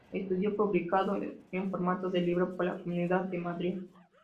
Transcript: Estudio publicado en formato de libro por la Comunidad de Madrid.